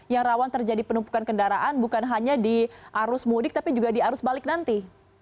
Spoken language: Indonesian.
yang rawan terjadi penumpukan kendaraan bukan hanya di arus mudik tapi juga di arus balik nanti